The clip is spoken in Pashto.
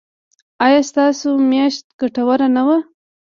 ایا ستاسو میاشت ګټوره نه وه؟